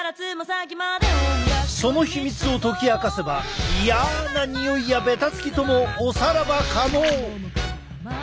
その秘密を解き明かせばイヤなにおいやベタつきともおさらば可能！